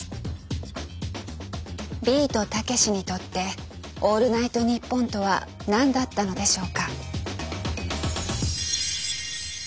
ビートたけしにとって「オールナイトニッポン」とは何だったのでしょうか？